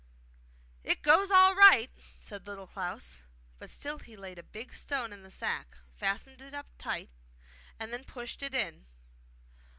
'It goes all right!' said Little Klaus; but still he laid a big stone in the sack, fastened it up tight, and then pushed it in.